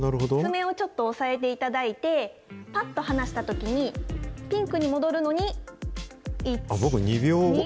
爪をちょっと押さえていただいて、ぱっと離したときに、ピンクに戻るのに１、２、３。